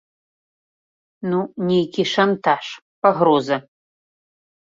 Ну, нейкі шантаж, пагроза.